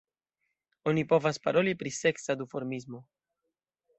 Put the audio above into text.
Oni povas paroli pri seksa duformismo.